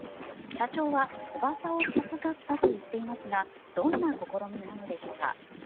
社長は翼を授かったと言っていますがどんな試みなのでしょうか。